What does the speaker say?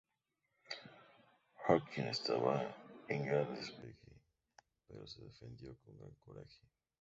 Hawkins estaba en gran desventaja, pero se defendió con gran coraje.